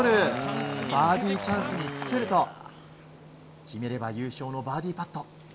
バーディーチャンスにつけると決めれば優勝のバーディーパット。